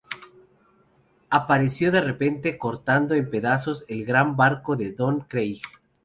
Apareció de repente, cortando en pedazos el gran barco de Don Krieg.